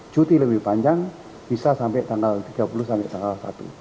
cuti lebih panjang bisa sampai tanggal tiga puluh sampai tanggal satu